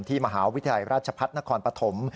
มหาวิทยาลัยราชพัฒนครปฐม